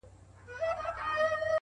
پوهه د انسان تر ټولو اوږدمهاله ملګرې ده’